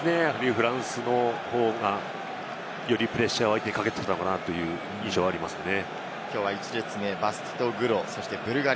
フランスの方がよりプレッシャーを相手にかけていたのかなという印象はありますね。